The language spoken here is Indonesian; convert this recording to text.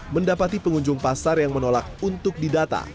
mendapati pengunjung pasar yang menolak untuk didata